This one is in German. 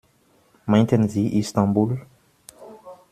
Meinten Sie Istanbul?